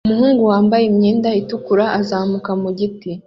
Umuhungu wambaye imyenda itukura azamuka mu giti